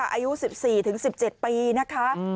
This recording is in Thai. อายุ๑๔ถึง๑๗ปีนะคะ